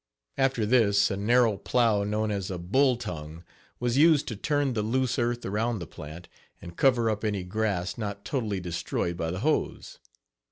After this a narrow plow known as a "bull tongue," was used to turn the loose earth around the plant and cover up any grass not totally destroyed by the hoes.